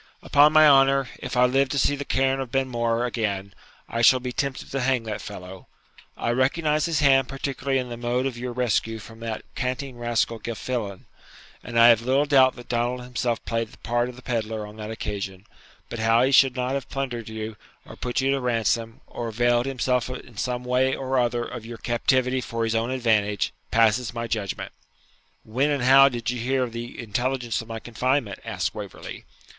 Upon my honour, if I live to see the cairn of Benmore again, I shall be tempted to hang that fellow! I recognise his hand particularly in the mode of your rescue from that canting rascal Gilfillan, and I have little doubt that Donald himself played the part of the pedlar on that occasion; but how he should not have plundered you, or put you to ransom, or availed himself in some way or other of your captivity for his own advantage, passes my judgment.' 'When and how did you hear the intelligence of my confinement?' asked Waverley.